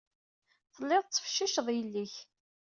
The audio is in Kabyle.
Telliḍ tettfecciceḍ yelli-k.